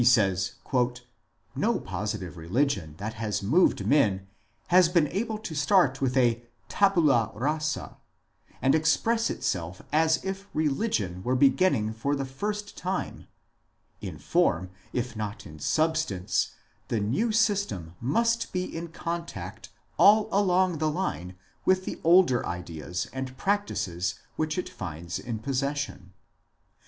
" No positive religion," he says, " that has moved men has been able to start with a tabula rasa, and express itself as if religion were beginning for the first time ; in form, if not in substance, the new system must be in contact all along the line with the older ideas and prac tices which it finds in possession.